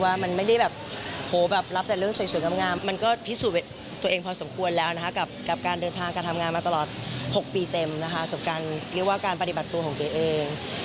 ว่าเวลาเป็นเครื่องพิสูจน์ทุกอย่างยังได้จริง